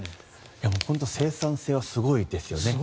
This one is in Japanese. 本当に生産性はすごいですよね。